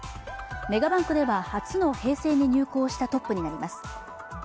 メガバンクでは初の平成に入行したトップになります。